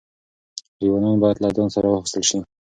ایوانان باید له ځان سره واخیستل شي.